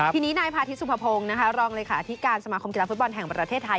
ทีนี้นายพาทิตสุภพงศ์รองเลขาธิการสมาคมกีฬาฟุตบอลแห่งประเทศไทย